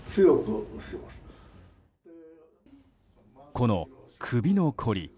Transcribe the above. この首のこり。